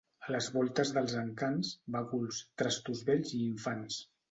A les voltes dels Encants, baguls, trastos vells i infants.